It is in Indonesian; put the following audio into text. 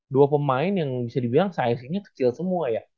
dua pemain yang bisa dibilang sizingnya kecil semua ya